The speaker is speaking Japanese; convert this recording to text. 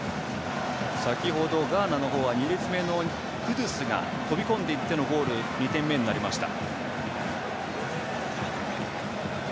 先ほどガーナの方は２列目のクドゥスが飛び込んでいってのゴール２点目になりました。